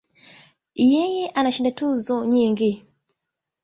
Yeye ana alishinda tuzo nyingi.